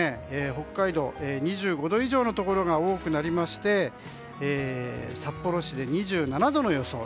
北海道、２５度以上のところが多くなりまして札幌市で２７度の予想。